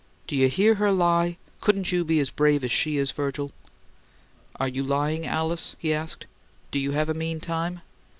"Do you hear her lie? Couldn't you be as brave as she is, Virgil?" "Are you lying, Alice?" he asked. "Do you have a mean time?"